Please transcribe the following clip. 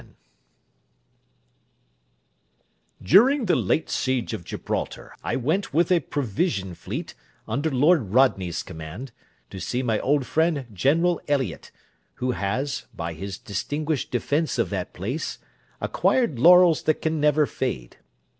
_ During the late siege of Gibraltar I went with a provision fleet, under Lord Rodney's command, to see my old friend General Elliot, who has, by his distinguished defence of that place, acquired laurels that can never fade.